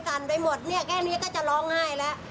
สั่นไปหมดแค่นี้ก็จะร้องไห้แล้ว